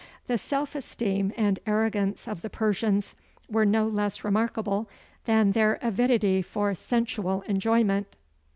The self esteem and arrogance of the Persians were no less remarkable than their avidity for sensual enjoyment.